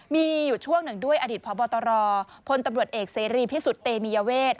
มีอยู่ช่วงหนึ่งด้วยอดีตพบตรพลตำรวจเอกเสรีพิสุทธิ์เตมียเวท